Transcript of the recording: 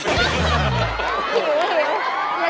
หิวหิว